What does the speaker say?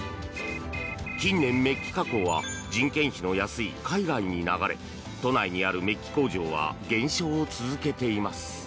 近年、メッキ加工は人件費の安い海外に流れ都内にあるメッキ工場は減少を続けています。